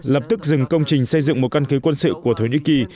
lập tức dừng công trình xây dựng một căn cứ quân sự của thổ nhĩ kỳ